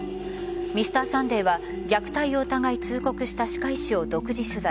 Ｍｒ．サンデーは虐待を疑い通告した歯科医師を独自取材。